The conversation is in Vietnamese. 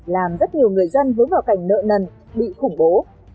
làm rất nhiều người dân vướng vào cảnh nợ nần bị khủng bố